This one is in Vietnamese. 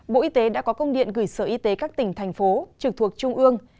bộ y tế đã có công điện gửi sở y tế các tỉnh thành phố trực thuộc trung ương